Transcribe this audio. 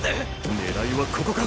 狙いはここか。